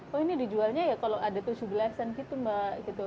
oh ini dijualnya ya kalau ada tujuh belas an gitu mbak gitu